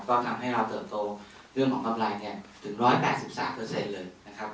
ก็ทำให้เราเติบโตเรื่องของกำไรถึง๑๘๓เลยนะครับ